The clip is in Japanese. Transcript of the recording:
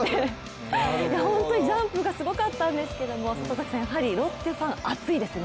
本当にジャンプがすごかったんですけど、やはりロッテファン、熱いですね。